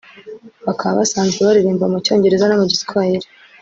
bakaba basanzwe baririmba mu cyongereza no mu giswahili